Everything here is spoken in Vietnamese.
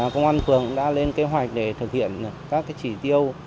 công an phường đã lên kế hoạch để thực hiện các chỉ tiêu